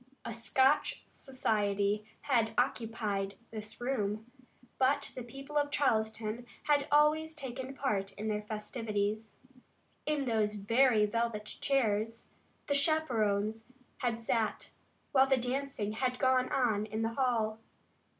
A Scotch society had occupied this room, but the people of Charleston had always taken part in their festivities. In those very velvet chairs the chaperons had sat while the dancing had gone on in the hall.